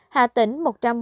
hà tĩnh một trăm bốn mươi bảy